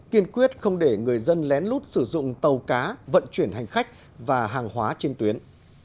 kiên quyết không để người dân lén lút sử dụng tàu cá vận chuyển hành khách và hàng hóa trên tuyến